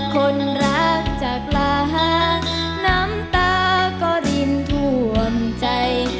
คนรักจากลางน้ำตาก็รินท่วมใจ